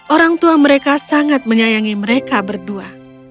orang tua mereka sangat menyayangi mereka berdua